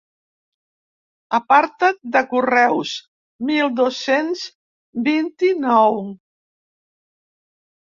Apartat de Correus mil dos-cents vint-i-nou.